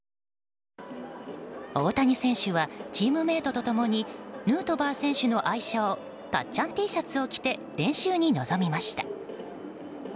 大谷選手はチームメートと共にヌートバー選手の愛称たっちゃんＴシャツを着て練習に臨みました。